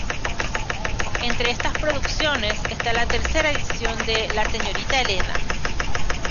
Entre estas producciones está la tercera edición de "La señorita Elena".